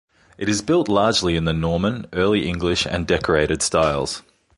It is built largely in the Norman, Early English and Decorated styles.